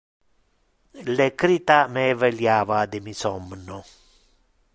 Le crita me eveliava de mi somno.